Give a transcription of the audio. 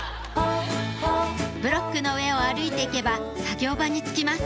ブロックの上を歩いていけば作業場に着きます